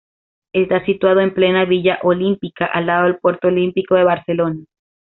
Está situado en plena Villa Olímpica, al lado del Puerto Olímpico de Barcelona.